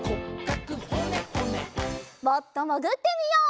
もっともぐってみよう。